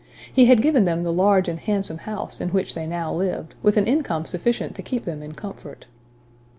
He had given them the large and handsome house in which they now lived, with an income sufficient to keep them in comfort.